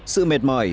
sự mệt mỏi